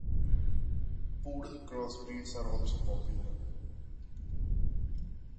Poodle crossbreeds are also popular.